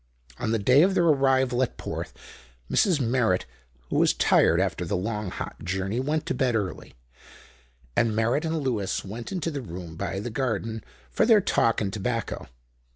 On the day of their arrival at Porth, Mrs. Merritt, who was tired after the long, hot journey, went to bed early, and Merritt and Lewis went into the room by the garden for their talk and tobacco.